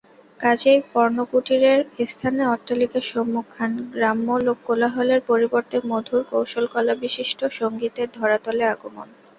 কাজেই পর্ণকুটীরের স্থানে অট্টালিকার সমুত্থান, গ্রাম্যকোলাহলের পরিবর্তে মধুর কৌশলকলাবিশিষ্ট সঙ্গীতের ধরাতলে আগমন।